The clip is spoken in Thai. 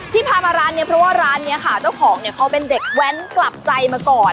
พามาร้านนี้เพราะว่าร้านนี้ค่ะเจ้าของเนี่ยเขาเป็นเด็กแว้นกลับใจมาก่อน